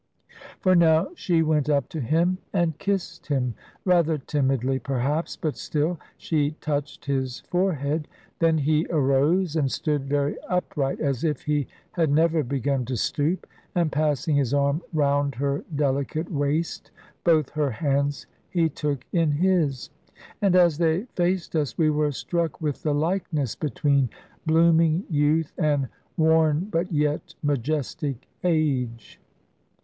For now she went up to him and kissed him; rather timidly, perhaps, but still she touched his forehead. Then he arose and stood very upright, as if he had never begun to stoop, and passing his arm round her delicate waist, both her hands he took in his. And as they faced us, we were struck with the likeness between blooming youth and worn but yet majestic age.